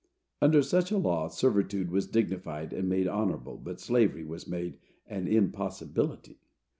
Under such a law, servitude was dignified and made honorable, but slavery was made an impossibility.